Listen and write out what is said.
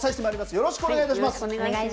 よろしくお願いします。